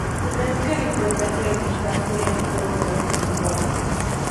Tendrán que replantearse el caso ya que todos podrían ser culpables.